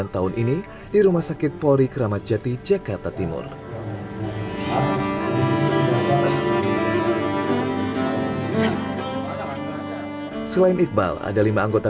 sembilan tahun ini di rumah sakit pori kramatjati jakarta timur selain iqbal ada lima anggota